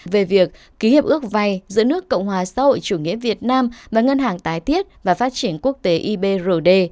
về việc ký hiệp ước vay giữa nước cộng hòa xã hội chủ nghĩa việt nam và ngân hàng tái thiết và phát triển quốc tế ibrd